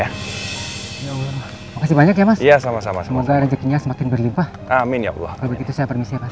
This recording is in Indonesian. ya allah makasih banyak ya mas ya sama sama semoga rezekinya semakin berlimpah amin ya allah begitu saya permisi ya mas